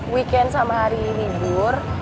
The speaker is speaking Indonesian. weekend sama hari libur